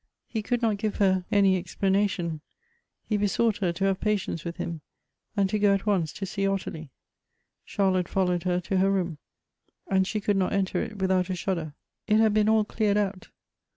He could not give her any explanation ; he besought her to have patience with him, and to go at once to see Ottilie. Charlotte followed her to her room,' and she could not enter it without a shudder. It had been all cleared out.